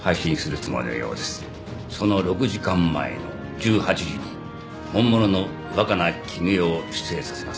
その６時間前の１８時に本物の若菜絹代を出演させます。